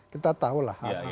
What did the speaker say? kita tahu lah